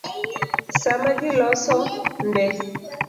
Sama ji loso nde